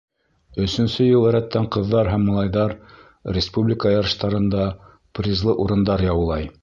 Өсөнсө йыл рәттән ҡыҙҙар һәм малайҙар республика ярыштарында призлы урындар яулай.